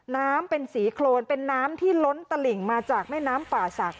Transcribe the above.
น้ำเป็นสีโครนเป็นน้ำที่ล้นตลิ่งมาจากแม่น้ำป่าศักดิ